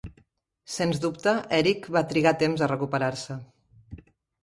Sens dubte, Erik va trigar temps a recuperar-se.